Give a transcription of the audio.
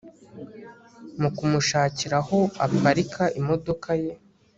mu kumushakira aho aparika imodoka ye